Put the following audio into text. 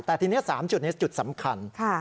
แต่ทีนี้๓จุดนี้จุดสำคัญ